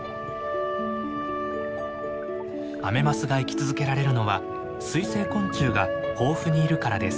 アメマスが生き続けられるのは水生昆虫が豊富にいるからです。